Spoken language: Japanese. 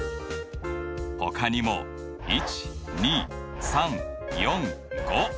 ほかにも１２３４５